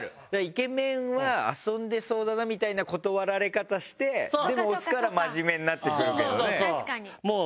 イケメンは遊んでそうだなみたいな断られ方してでも押すから真面目になってくるけどね。